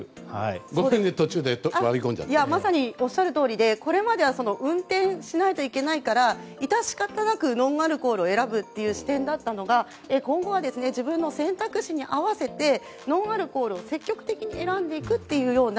まさにおっしゃるとおりでこれまでは運転しないといけないから致し方なくノンアルコールを選ぶという視点だったのが今後は自分の選択肢に合わせてノンアルコールを積極的に選んでいくというような